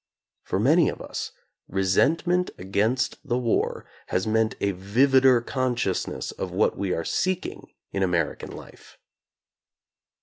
For many of us, resentment against the war has meant a vivider consciousness of what we are seeking in American life.